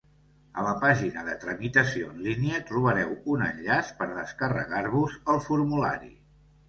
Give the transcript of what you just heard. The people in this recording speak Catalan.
A la pàgina de tramitació en línia trobareu un enllaç per descarregar-vos el formulari.